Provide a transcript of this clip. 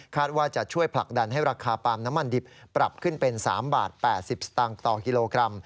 ว่าจะช่วยผลักดันให้ราคาปาล์มน้ำมันดิบปรับขึ้นเป็น๓บาท๘๐สตางค์ต่อกิโลกรัม